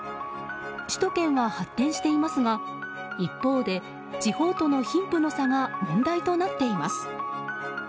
首都圏は発展していますが一方で地方との貧富の差が問題となっています。